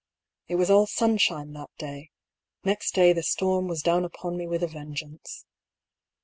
It was all sunshine that day; next day the storm was down upon me with a vengeance.